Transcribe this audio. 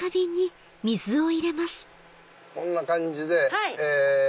こんな感じで。